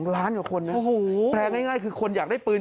ล้านกว่าคนนะแปลงง่ายคือคนอยากได้ปืน